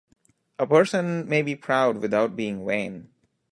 A person may be proud without being vain.